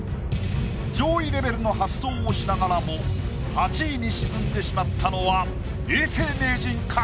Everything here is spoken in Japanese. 上位レベルの発想をしながらも８位に沈んでしまったのは永世名人か？